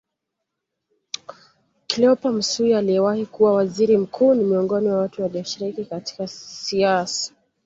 Cleopa Msuya aliyewahi kuwa Waziri Mkuu ni miongoni wa watu walioshiriki katika siasa